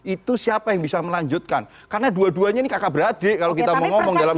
itu siapa yang bisa melanjutkan karena dua duanya ini kakak beradik kalau kita mau ngomong dalam